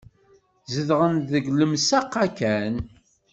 Zedɣen deg lemsaq-a kan.